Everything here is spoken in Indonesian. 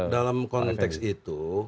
dalam konteks itu